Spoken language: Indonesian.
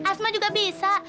asma juga bisa